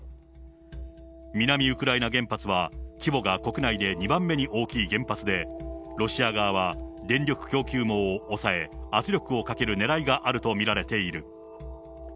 南ウクライナ原発は、規模が国内で２番目に大きい原発で、ロシア側は、電力供給網を押さえ、圧力をかけるねらいがあると見られている。